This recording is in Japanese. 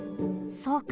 そうか。